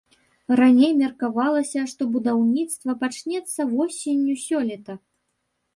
Раней меркавалася, што будаўніцтва пачнецца восенню сёлета.